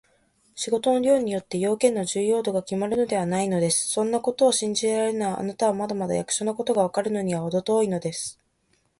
仕事の量によって、用件の重要度がきまるのではないのです。そんなことを信じられるなら、あなたはまだまだ役所のことがわかるのにはほど遠いのです。